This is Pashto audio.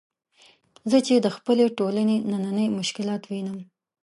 زه چې د خپلې ټولنې نني مشکلات وینم.